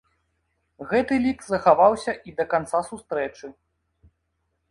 Гэты лік захаваўся і да канца сустрэчы.